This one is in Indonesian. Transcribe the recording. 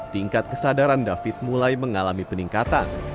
tingkat kesadaran david mulai mengalami peningkatan